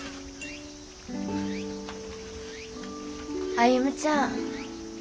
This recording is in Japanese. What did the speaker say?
歩ちゃん。